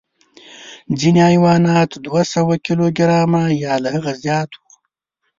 ځینې حیوانات دوه سوه کیلو ګرامه یا له هغه زیات وو.